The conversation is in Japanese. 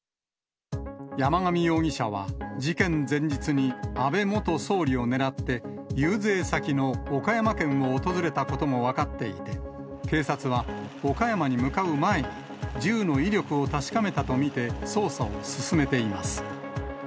山上容疑者は、事件前日に安倍元総理を狙って、遊説先の岡山県を訪れたことも分かっていて、警察は、岡山に向かう前に、銃の威力を確かめたと見て捜査を進めています。